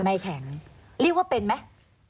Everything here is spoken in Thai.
ไม่แข็งเรียกว่าเป็นไหม